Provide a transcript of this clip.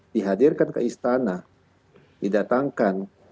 dihadirkan ke istana didatangkan